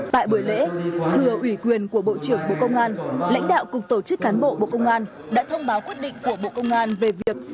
tại buổi lễ thưa ủy quyền của bộ trưởng bộ công an lãnh đạo cục tổ chức cán bộ bộ công an đã thông báo quyết định của bộ công an về việc